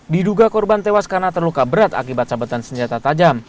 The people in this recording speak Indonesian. diduga korban tewas karena terluka berat akibat sabetan senjata tajam